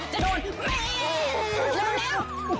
แม่เร็ว